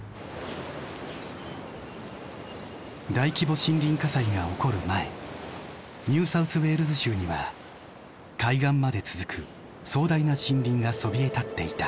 大規模森林火災が起こる前ニュー・サウス・ウェールズ州には海岸まで続く壮大な森林がそびえ立っていた。